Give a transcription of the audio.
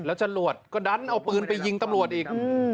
แล้วจรวดก็ดันเอาปืนไปยิงตำรวจอีก